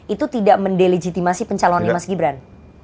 itu tidak mendelegitimasi pencalonnya mas gibran